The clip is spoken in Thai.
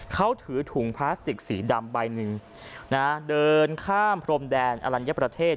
เขาถือถุงพลาสติกสีดำใบหนึ่งนะเดินข้ามพรมแดนอลัญญประเทศ